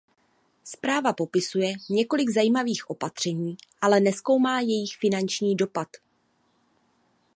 Zpráva popisuje několik zajímavých opatření, ale nezkoumá jejich finanční dopad.